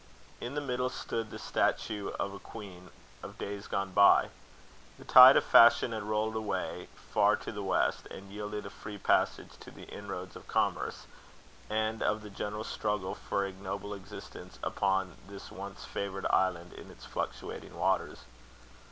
In the middle stood the statue of a queen, of days gone by. The tide of fashion had rolled away far to the west, and yielded a free passage to the inroads of commerce, and of the general struggle for ignoble existence, upon this once favoured island in its fluctuating waters.